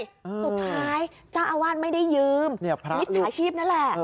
สุดท้ายเจ้าอาวาสไม่ได้ยืมมิจฉาชีพนั่นแหละ